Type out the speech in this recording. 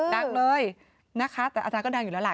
ดังเลยนะคะแต่อาจารย์ก็ดังอยู่แล้วล่ะ